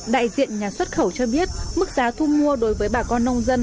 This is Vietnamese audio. đại diện nhà xuất khẩu cho biết mức giá thu mua đối với bà con nông dân